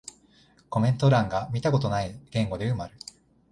コメント欄が見たことない言語で埋まる